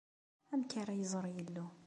Amek ara iẓer Yillu?